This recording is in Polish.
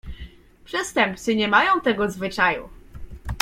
"Przestępcy nie mają tego zwyczaju."